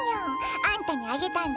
あんたにあげたんだ